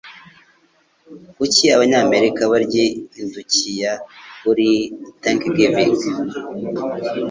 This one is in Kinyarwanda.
Kuki Abanyamerika barya indukiya kuri Thanksgiving?